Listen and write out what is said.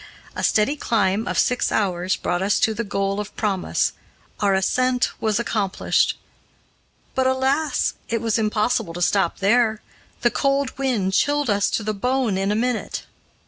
A steady climb of six hours brought us to the goal of promise; our ascent was accomplished. But alas! it was impossible to stop there the cold wind chilled us to the bone in a minute.